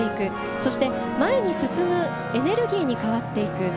そして前に進むエネルギーに変わっていく。